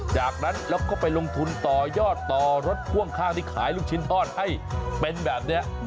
จากนั้นเราก็ไปลงทุนต่อยอดต่อรถพ่วงข้างที่ขายลูกชิ้นทอดให้เป็นแบบนี้